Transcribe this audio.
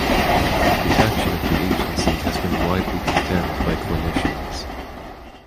The action of the agency has been widely condemned by clinicians.